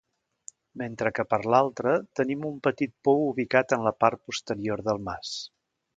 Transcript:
Mentre que per l'altra, tenim un petit pou ubicat en la part posterior del mas.